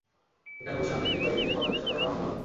এখানে বসে না থেকে বাইরে গিয়ে বাঁচার চেষ্টা করাটাও অনেক ভালো।